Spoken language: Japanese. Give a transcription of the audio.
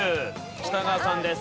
北川さんです。